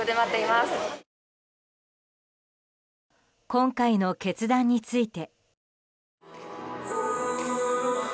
今回の決断について。